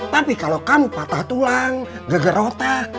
tapi kalau kamu patah tulang gegerotah